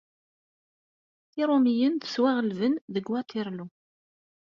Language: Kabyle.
Iṛumiyen ttwaɣelben deg Waterloo.